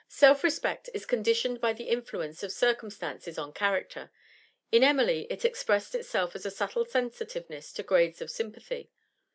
Self respect is conditioned by the influence of circumstance on character; in Emily it expressed itself as a subtle sensitiveness to grades of sympathy.